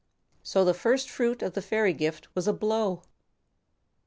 So the first fruit of the fairy gift was a blow!